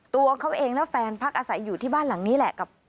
ตัวเขาเองและแฟนพักอาศัยอยู่ที่บ้านหลังนี้แหละ